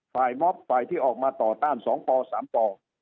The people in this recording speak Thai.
ม็อบฝ่ายที่ออกมาต่อต้าน๒ป๓ป